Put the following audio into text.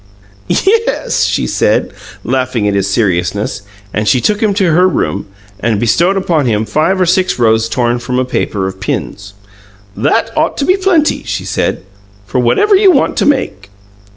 "Yes," she said, laughing at his seriousness; and she took him to her room, and bestowed upon him five or six rows torn from a paper of pins. "That ought to be plenty," she said, "for whatever you want to make."